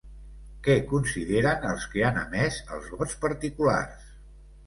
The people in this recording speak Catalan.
Què consideren els que han emès els vots particulars?